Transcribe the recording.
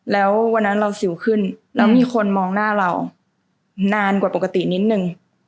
แล้ววันนั้นเราสิวขึ้นแล้วมีคนมองหน้าเรานานกว่าปกตินิดนึง